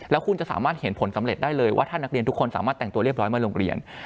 แล้วคุณจะสามารถเห็นผลสำเร็จได้เลยว่าถ้านักเรียนทุกคนสามารถแต่งตัวเรียบร้อยมาโรงเรียน